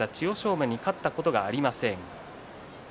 馬に勝ったことがありません。